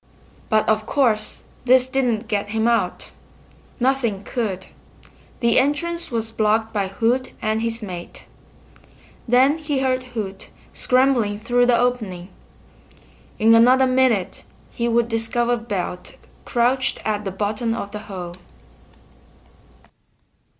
But of course this didn't get him out. Nothing could! The entrance was blocked by Hoot and his mate. Then he heard Hoot scrambling through the opening. In another minute he would discover Belt crouched at the bottom of the hole.